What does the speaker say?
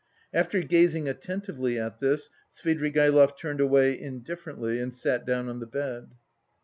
After gazing attentively at this, Svidrigaïlov turned away indifferently and sat down on the bed.